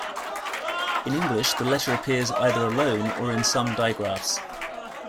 In English, the letter appears either alone or in some digraphs.